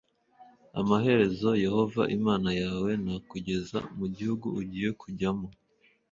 Amaherezo Yehova Imana yawe nakugeza mu gihugu ugiye kujyamo